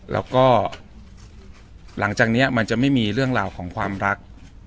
แล้วก็หลังจากนี้มันจะไม่มีเรื่องราวของความรัก